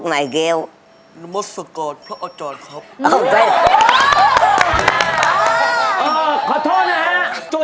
นามอสตกาลสายการกับ